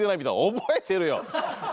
覚えてるよ！